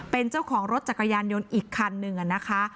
เป็นเจ้าของรถจักรยานยนต์อีกคันหนึ่งนะคะ